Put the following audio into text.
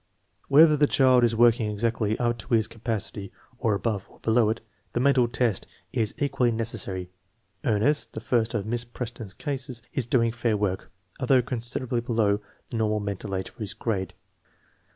Whether the child is working exactly up to his ca pacity, or above or below it, the mental test is equally necessary. Ernest, the first of Miss Preston's cases, is doing fair work, although considerably below the nor mal mental age for his grade.